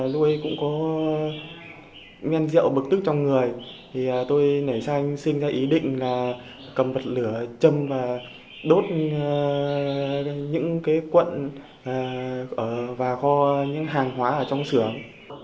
lúc ấy cũng có men rượu bực tức trong người tôi nảy sang xin ra ý định là cầm vật lửa châm và đốt những quận và kho những hàng hóa trong xưởng